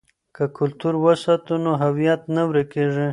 که کلتور وساتو نو هویت نه ورکيږي.